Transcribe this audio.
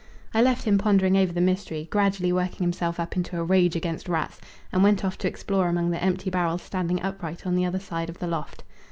I left him pondering over the mystery, gradually working himself up into a rage against rats, and went off to explore among the empty barrels standing upright on the other side of the loft.